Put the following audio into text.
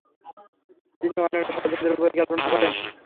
তিনি অন্য ষড়যন্ত্র পরিকল্পনা করেন।